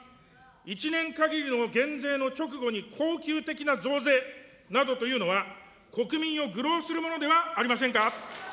１年かぎりの減税の直後に恒久的な増税などというのは、国民を愚弄するものではありませんか。